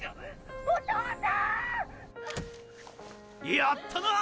やったな！